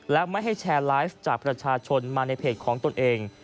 และไม่ให้แชร์ไลฟ์จากประชาชนมาในเพจของตนเอง